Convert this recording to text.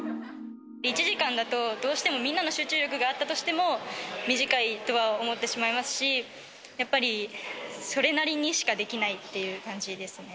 １時間だと、どうしてもみんなの集中力があったとしても短いとは思ってしまいますし、やっぱりそれなりにしかできないっていう感じですね。